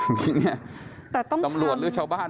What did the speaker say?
นี่ไงแต่ตำรวจหรือชาวบ้าน